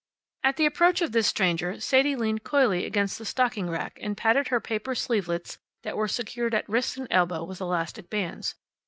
At the approach of this stranger Sadie leaned coyly against the stocking rack and patted her paper sleevelets that were secured at wrist and elbow with elastic bands.